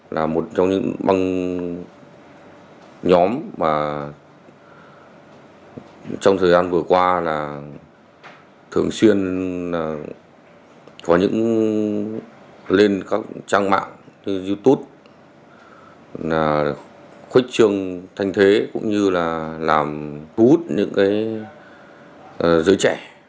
là một trong những băng nhóm mà trong thời gian vừa qua là thường xuyên là có những lên các trang mạng như youtube khuếch trường thanh thế cũng như là làm hút những cái giới trẻ